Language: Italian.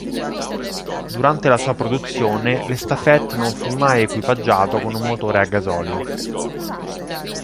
Durante la sua produzione, l'Estafette non fu mai equipaggiato con un motore a gasolio.